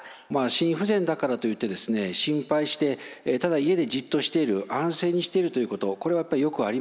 心不全だからといって心配してただ家でじっとしている安静にしているということこれはやっぱりよくありません。